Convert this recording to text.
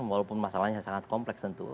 walaupun masalahnya sangat kompleks tentu